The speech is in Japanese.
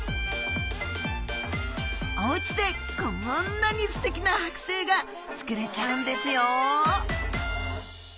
おうちでこんなにすてきなはく製が作れちゃうんですよ。